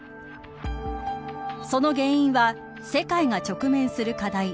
その原因は世界が直面する課題